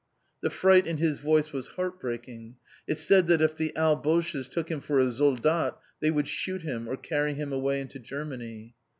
The fright in his voice was heart breaking. It said that if the "Alboches" took him for a soldat, they would shoot him, or carry him away into Germany....